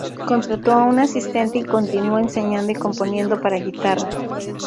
Contrató a un asistente y continuó enseñando y componiendo para guitarra.